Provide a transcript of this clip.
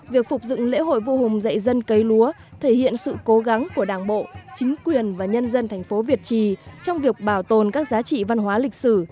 việc phục dựng lễ hội vô hùng dậy dân cấy lúa thể hiện sự cố gắng của đảng bộ chính quyền và nhân dân thành phố việt trì trong việc bảo tồn các giá trị văn hóa lịch sử